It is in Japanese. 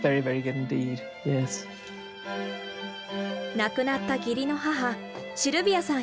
亡くなった義理の母シルビアさん